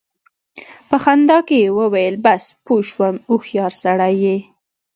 په خندا کې يې وويل: بس! پوه شوم، هوښيار سړی يې!